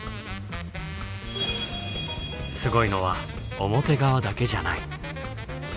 すごいのは表側だけじゃない。